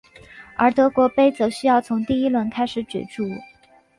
而德国杯则需要从第一轮开始角逐。